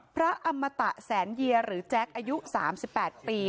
พระอมตะแสนเยียหรือแจ๊คอายุ๓๘ปี